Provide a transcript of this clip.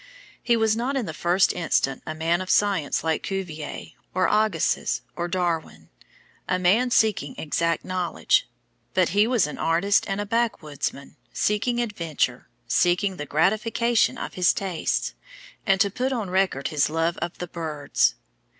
He was not in the first instance a man of science, like Cuvier, or Agassiz, or Darwin a man seeking exact knowledge; but he was an artist and a backwoodsman, seeking adventure, seeking the gratification of his tastes, and to put on record his love of the birds.